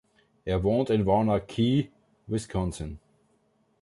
Er wohnt in Waunakee, Wisconsin.